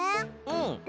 うん。